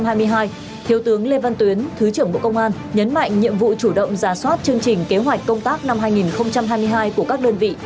thiếu tướng lê văn tuyến thứ trưởng bộ công an nhấn mạnh nhiệm vụ chủ động ra soát chương trình kế hoạch công tác năm hai nghìn hai mươi hai của các đơn vị